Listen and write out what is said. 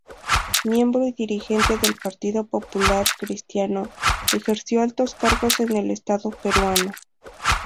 Miembro y dirigente del Partido Popular Cristiano, ejerció altos cargos en el Estado peruano.